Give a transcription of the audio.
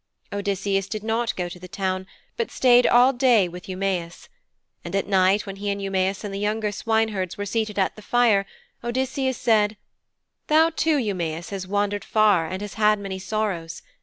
Odysseus did not go to the town but stayed all day with Eumæus. And at night, when he and Eumæus and the younger swineherds were seated at the fire, Odysseus said, 'Thou, too, Eumæus, hast wandered far and hast had many sorrows.